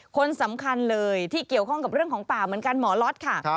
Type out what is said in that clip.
คนสำคัญเลยที่เกี่ยวข้องกับเรื่องของป่าเหมือนกันหมอล็อตค่ะ